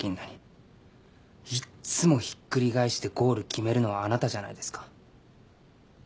いっつもひっくり返してゴール決めるのはあなたじゃないですか。